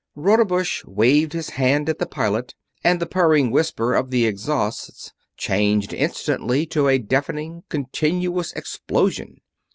Rodebush waved his hand at the pilot and the purring whisper of the exhausts changed instantly to a deafening, continuous explosion.